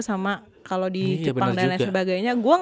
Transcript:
sama kalau di jepang dan lain sebagainya